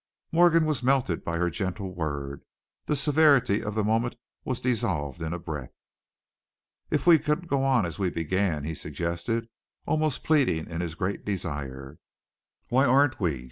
Morgan was melted by her gentle word; the severity of the moment was dissolved in a breath. "If we could go on as we began," he suggested, almost pleading in his great desire. "Why, aren't we?"